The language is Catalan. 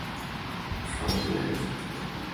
Es fa un silenci.